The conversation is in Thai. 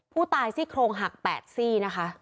ผู้ตายซิโครงหัก๘ซี่